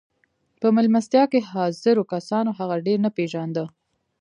په مېلمستیا کې حاضرو کسانو هغه ډېر نه پېژانده